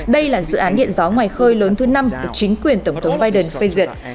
đây là dự án điện gió ngoài khơi lớn thứ năm được chính quyền tổng thống biden phê duyệt